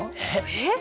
えっ！？